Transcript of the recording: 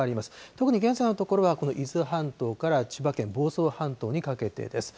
特に現在のところは、この伊豆半島から千葉県房総半島にかけてです。